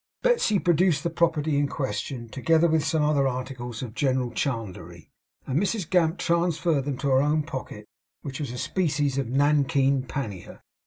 Betsey produced the property in question, together with some other articles of general chandlery; and Mrs Gamp transferred them to her own pocket, which was a species of nankeen pannier.